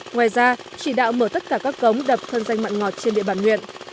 ngoài ra chỉ đạo mở tất cả các cống đập thân danh mặn ngọt trên địa bàn huyện